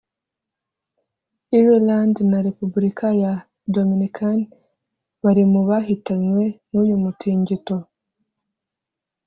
Ireland na Repubulika ya Dominican bari mu bahitanywe n’uyu mutingito